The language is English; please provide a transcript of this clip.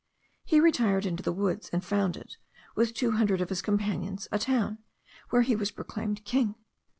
He retired into the woods, and founded, with two hundred of his companions, a town, where he was proclaimed king.